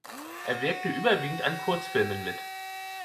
Er wirkte überwiegend an Kurzfilmen mit.